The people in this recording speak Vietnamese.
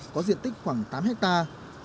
có diện tích khoảng tám hectare